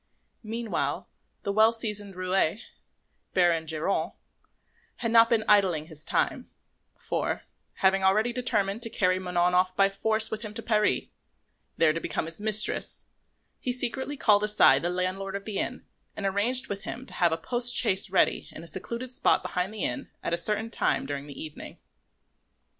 Meanwhile the well seasoned roué, Baron Geronte, had not been idling his time; for, having already determined to carry Manon off by force with him to Paris, there to become his mistress, he secretly called aside the landlord of the inn and arranged with him to have a post chaise ready in a secluded spot behind the inn at a certain time during the evening.